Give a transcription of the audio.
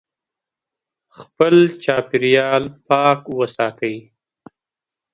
خپل چاپیریال پاک وساتئ.